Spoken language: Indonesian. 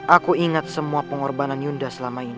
aku ingat semuapa pengorbanan iyuno selama ini